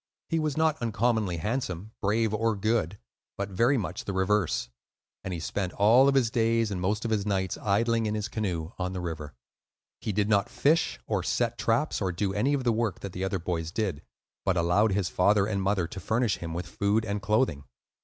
He was not uncommonly handsome, brave, or good, but very much the reverse; and he spent all of his days and most of his nights idling in his canoe on the river. He did not fish or set traps or do any of the work that the other boys did, but allowed his father and mother to furnish him with food and clothing.